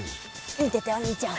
見ててお兄ちゃん。